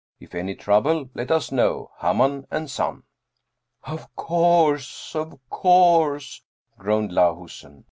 If any trouble, let us know. Hamann & Son." " Of course, of course," groaned Lahusen.